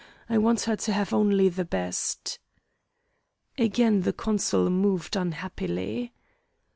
I want her to have only the best." Again the consul moved unhappily.